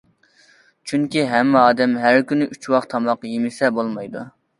چۈنكى ھەممە ئادەم ھەر كۈنى ئۈچ ۋاق تاماق يېمىسە بولمايدۇ.